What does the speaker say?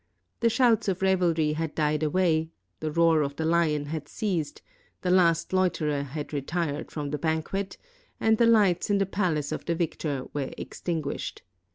The shouts of revelry had died away; the roar of the lion had ceased; the last loiterer had retired from the banquet, and the lights in the palace of the victor were extin guished.